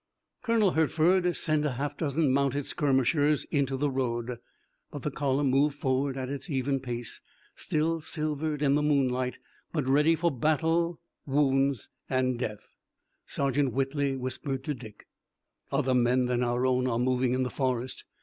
Colonel Hertford sent a half dozen mounted skirmishers into the road, but the column moved forward at its even pace, still silvered in the moonlight, but ready for battle, wounds and death. Sergeant Whitley whispered to Dick: "Other men than our own are moving in the forest.